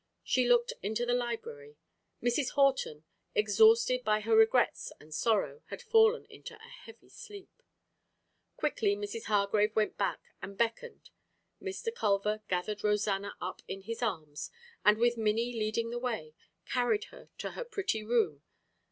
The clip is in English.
She looked into the library. Mrs. Horton, exhausted by her regrets and sorrow, had fallen into a heavy sleep. Quickly Mrs. Hargrave went back and beckoned. Mr. Culver gathered Rosanna up in his arms, and with Minnie leading the way, carried her to her pretty room.